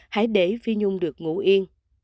hãy để phi nhung được ngủ yên